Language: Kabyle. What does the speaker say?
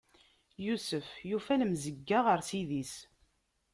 Yusef yufa lemzeyya ɣer Ssid-is.